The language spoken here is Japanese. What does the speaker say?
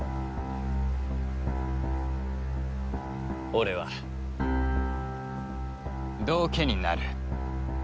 俺は道化になる。